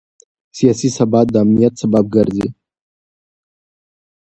سیاسي ثبات د امنیت سبب ګرځي